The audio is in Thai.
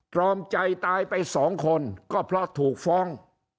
ตรอมใจตายไปสองคนก็เพราะถูกฟ้อง